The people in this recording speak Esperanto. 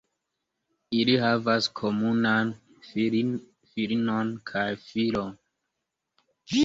Ili havas komunan filinon kaj filon.